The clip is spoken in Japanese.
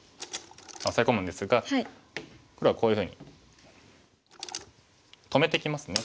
オサエ込むんですが黒はこういうふうに止めてきますね